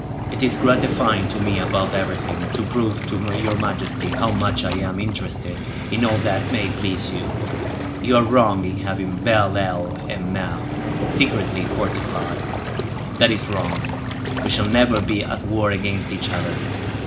It is gratifying to me, above everything, to prove to your majesty how much I am interested in all that may please you. You are wrong in having Belle Ile en Mer secretly fortified. That is wrong. We shall never be at war against each other.